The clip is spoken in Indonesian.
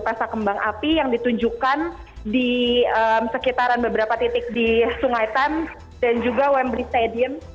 pesa kembang api yang ditunjukkan di sekitaran beberapa titik di sungai tan dan juga wembrid stadium